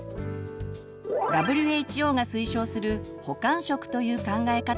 ＷＨＯが推奨する「補完食」という考え方があります。